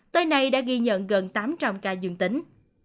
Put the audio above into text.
tới nay đã ghi nhận gần tám trăm linh ca dương tính